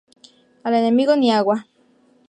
Al enemigo ni agua